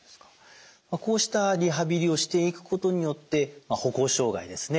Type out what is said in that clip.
こうしたリハビリをしていくことによって歩行障害ですね